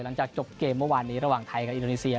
หลังจากจบเกมเมื่อวานนี้ระหว่างไทยกับอินโดนีเซีย